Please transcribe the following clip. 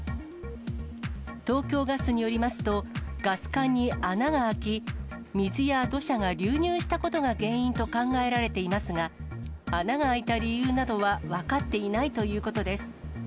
東京ガスによりますと、ガス管に穴が開き、水や土砂が流入したことが原因と考えられていますが、穴が開いた理由などは分かっていないということです。